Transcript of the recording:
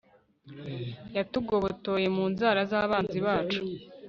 yatugobotoye mu nzara z'abanzi bacu